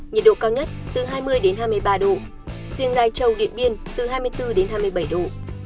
nhiệt độ cao nhất từ hai mươi hai mươi ba độ riêng gai trầu điện biên từ hai mươi bốn hai mươi bảy độ